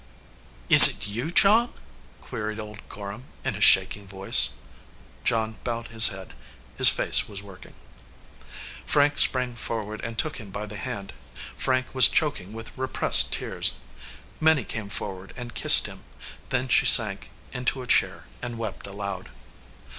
"Is it you, John?" queried old Gorham in a shaking voice. 313 EDGEWATER PEOPLE John bowed his head. His face was working. Frank sprang forward and took him by the hand. Frank was choking with repressed tears. Minnie came forward and kissed him; then she sank into a chair and wept aloud.